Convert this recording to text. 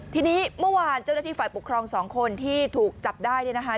ทีนี้เมื่อวานเจ้าหน้าที่ฝ่ายปกครองสองคนที่ถูกจับได้เนี่ยนะคะ